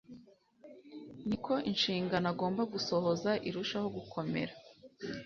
ni ko inshingano agomba gusohoza irushaho gukomera